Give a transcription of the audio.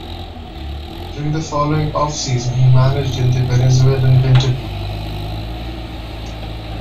During the following off-season, he managed in the Venezuelan Winter League.